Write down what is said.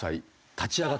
立ち上がって。